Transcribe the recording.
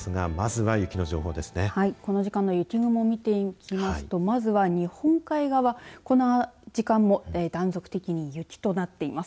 はい、この時間の雪雲の模様見ていきますと日本海はこの時間も断続的に雪となっています。